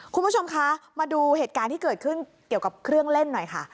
คุณผู้ชมคะมาดูเหตุการณ์ที่เกิดขึ้นเกี่ยวกับเครื่องเล่นหน่อยค่ะ